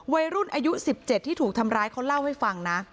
วัยรุ่นอายุ๑๗ที่ถูกทำร้ายเขาเล่าให้ฟังนะ